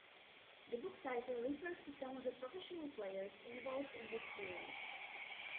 The book title refers to some of the professional players involved in this series.